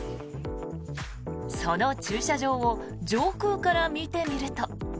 その駐車場を上空から見てみると。